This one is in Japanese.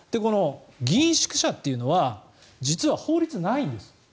議員宿舎というのは実は法律ないんです。